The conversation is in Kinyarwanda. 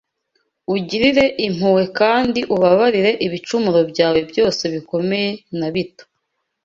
Ugirire impuhwe kandi ubabarire ibicumuro byawe byose bikomeye na bito